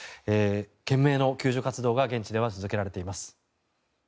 懸命の救助活動が現地では続けられています。